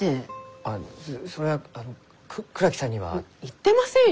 あそりゃあ倉木さんには。言ってませんよ！